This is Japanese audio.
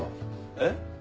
えっ？